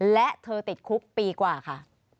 และเธอติดคุกปีกว่าค่ะ